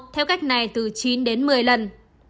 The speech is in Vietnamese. theo cách này từ chín đến một mươi lần